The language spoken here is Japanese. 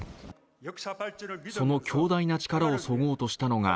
その強大な力をそごうとしたのが